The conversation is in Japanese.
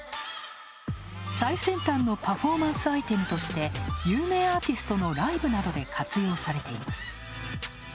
最先端のパフォーマンスアイテムとして有名アーティストのライブなどで活用されています。